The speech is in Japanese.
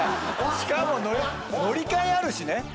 しかも乗り換えあるしね。